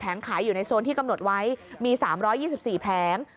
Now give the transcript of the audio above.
ขายอยู่ในโซนที่กำหนดไว้มี๓๒๔แผง